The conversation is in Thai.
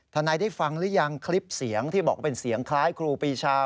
นายได้ฟังหรือยังคลิปเสียงที่บอกว่าเป็นเสียงคล้ายครูปีชา